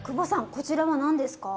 こちらは何ですか？